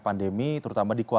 jadi terima kasih